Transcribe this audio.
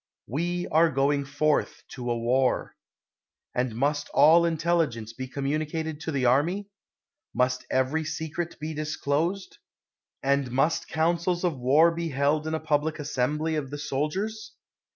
We are going forth to a war. And must all in telligence be conununicated to the army? Must every secret be disclosed ? And must councils of war be held in a public assembly of the soldiers?